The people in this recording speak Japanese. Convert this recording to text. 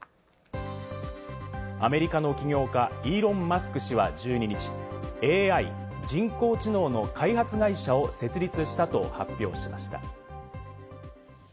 アメリカの企業家イーロン・マスク氏は１２日、ＡＩ＝人工知能の開発会社を設立したと発表しました。